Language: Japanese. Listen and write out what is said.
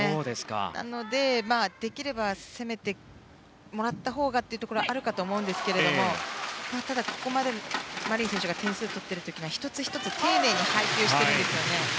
なので、できれば攻めてもらったほうがというところがあるかと思うんですがただ、ここまでマリン選手が点数を取っている時は１つ１つ、丁寧に配球しているんですよね。